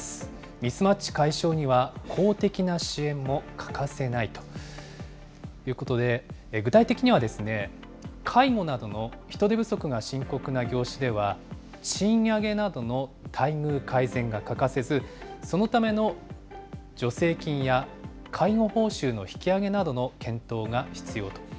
ミスマッチ解消には公的な支援も欠かせないということで、具体的には介護などの人手不足が深刻な業種では、賃上げなどの待遇改善が欠かせず、そのための助成金や介護報酬の引き上げなどの検討が必要と。